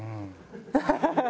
ハハハハハ！